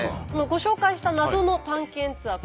ご紹介した謎の探検ツアー。